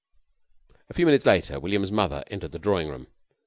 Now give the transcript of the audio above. ] A few minutes later William's mother entered the drawing room.